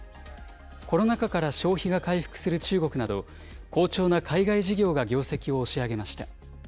コロナ禍から消費が回復する中国など、好調な海外事業が業績を押し上げました。